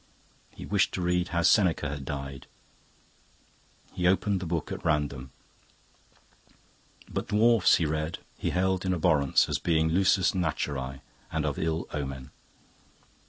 He wished to read how Seneca had died. He opened the book at random. 'But dwarfs,' he read, 'he held in abhorrence as being lusus naturae and of evil omen.